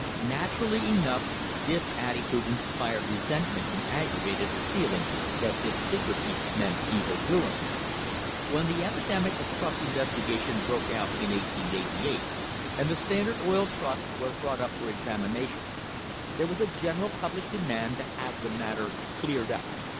Naturally enough this attitude inspired resentment and aggravated the feeling that this secrecy meant evil doing. When the epidemic of trust investigation broke out in 1888, and the Standard Oil Trust was brought up for examination, there was a general public demand to have the matter cleared up.